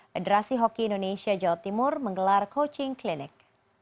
federasi hoki indonesia jawa timur menggelar coaching clinik